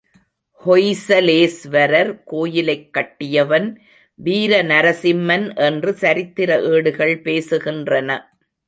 ஹொய்சலேஸ்வரர் கோயிலைக் கட்டியவன் வீர நரசிம்மன் என்று சரித்திர ஏடுகள் பேசுகின்றன.